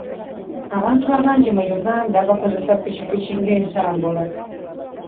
Abantu abangi mu Uganda bakozesa pikipiki ng'entambula.